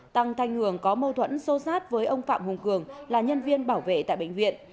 tăng thanh hường có mâu thuẫn xô xát với ông phạm hùng cường là nhân viên bảo vệ tại bệnh viện